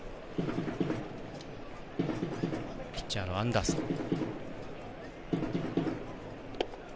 ピッチャーのアンダーソン。